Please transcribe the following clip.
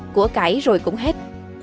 của cãi rồi cũng hết